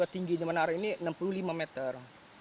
tingginya menara ini enam puluh lima meter